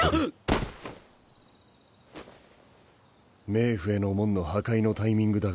冥府への門の破壊のタイミングだが。